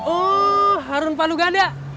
oh harun palu ganda